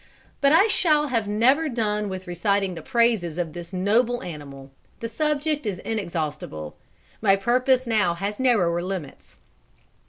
But I shall have never done with reciting the praises of this noble animal; the subject is inexhaustible. My purpose now has narrower limits.